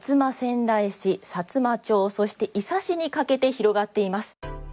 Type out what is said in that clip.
さつま町、そして伊佐市にかけて広がっています。